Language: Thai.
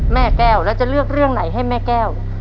แม่แก้วแล้วจะเลือกเรื่องไหนให้แม่แก้ว